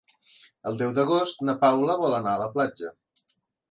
El deu d'agost na Paula vol anar a la platja.